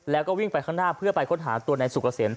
แล้วก็วิ่งไปข้างหน้าเพื่อไปค้นหาตัวนายสุกเกษม